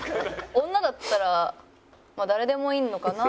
女だったら誰でもいいのかな？